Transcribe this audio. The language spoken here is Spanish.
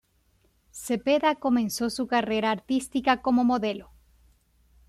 Cepeda comenzó su carrera artística como modelo.